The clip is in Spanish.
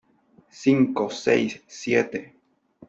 cinco , seis , siete ,